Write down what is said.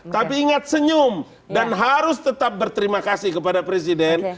tapi ingat senyum dan harus tetap berterima kasih kepada presiden